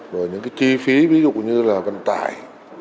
rồi những cái chi phí ví dụ như là vận tải